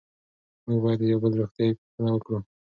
موږ باید د یو بل روغتیایي پوښتنه وکړو.